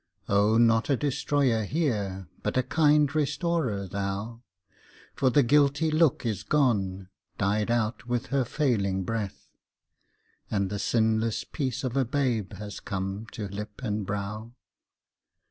Oh not a destroyer here, but a kind restorer, thou, For the guilty look is gone, died out with her failing breath, And the sinless peace of a babe has come to lip and brow.